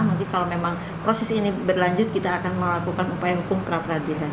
mungkin kalau memang proses ini berlanjut kita akan melakukan upaya hukum pra peradilan